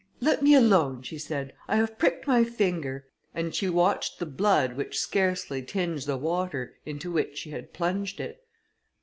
"Let me alone," she said, "I have pricked my finger," and she watched the blood which scarcely tinged the water into which she had plunged it.